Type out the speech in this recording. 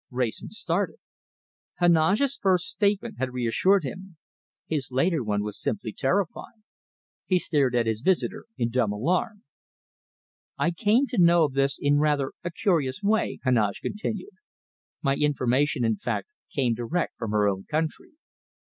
Wrayson started. Heneage's first statement had reassured him: his later one was simply terrifying. He stared at his visitor in dumb alarm. "I came to know of this in rather a curious way," Heneage continued. "My information, in fact, came direct from her own country.